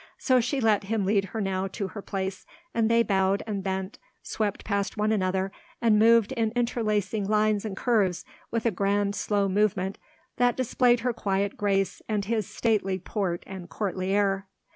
So she let him lead her to her place, and they bowed and bent, swept past one another, and moved in interlacing lines and curves, with a grand slow movement that displayed her quiet grace and his stately port and courtly air.